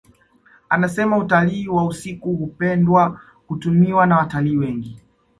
Anasema utalii wa usiku hupendwa kutumiwa na watalii wengi